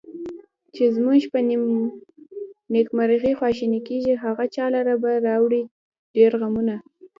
چې زمونږ په نیکمرغي خواشیني کیږي، هغه چا لره به راوړي ډېر غمونه